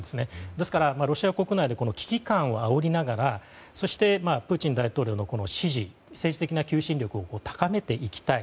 ですから、ロシア国内で危機感をあおりながらそして、プーチン大統領の支持政治的な求心力を高めていきたい。